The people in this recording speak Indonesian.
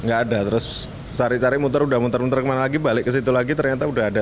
nggak ada terus cari cari muter udah muter muter kemana lagi balik ke situ lagi ternyata udah ada